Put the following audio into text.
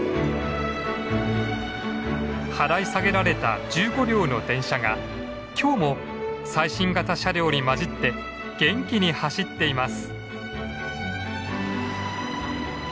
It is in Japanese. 払い下げられた１５両の電車が今日も最新型の車両に混じって元気に走っています。